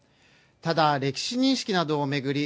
ただ、歴史認識などを巡り